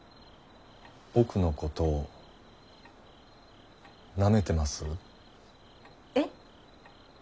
僕のことを舐めてます？え！？